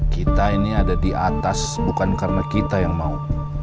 kita ini ada di atas bukan karena kita yang mau